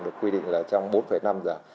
được quy định là trong bốn năm giờ